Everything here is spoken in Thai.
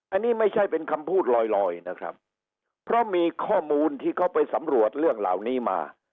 อันนี้ไม่ใช่เป็นคำพูดลอยลอยนะครับเพราะมีข้อมูลที่เขาไปสำรวจเรื่องเหล่านี้มา